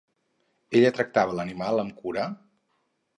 Ella tractava l'animal amb cura?